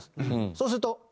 そうすると。